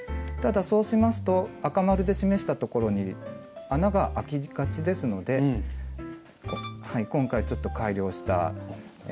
ただそうしますと赤丸で示したところに穴があきがちですので今回ちょっと改良した。